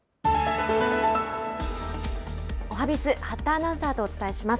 おはＢｉｚ、八田アナウンサーとお伝えします。